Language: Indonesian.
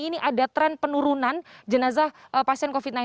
ini ada tren penurunan jenazah pasien covid sembilan belas